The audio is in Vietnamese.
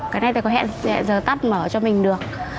cái này thì có hẹn giờ tắt mở cho mình được